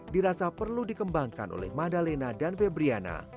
dirasa perlu dikembangkan oleh madalena dan febriana